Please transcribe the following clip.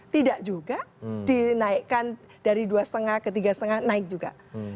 tidak juga dinaikkan dari dua lima ke tiga lima naik juga